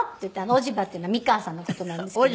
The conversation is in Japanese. おじばっていうのは美川さんの事なんですけど。